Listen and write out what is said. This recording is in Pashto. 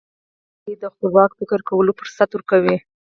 خپلواکي د خپلواک فکر کولو فرصت ورکوي.